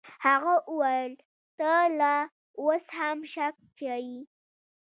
هغه وويل ته لا اوس هم شک کيې.